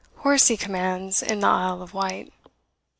Horsey commands in the Isle of Wight.